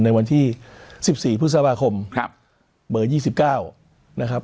ในวันที่๑๔พฤษภาคมเบอร์๒๙นะครับ